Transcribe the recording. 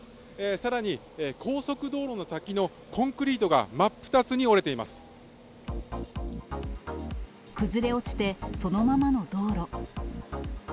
さらに高速道路の先のコンクリー崩れ落ちてそのままの道路。